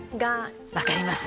分かります